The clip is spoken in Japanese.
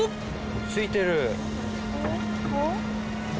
ついてる！